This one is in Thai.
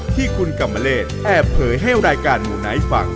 ที่คุณกรรมเลศแอบเผยให้รายการหมู่ไนท์ฟัง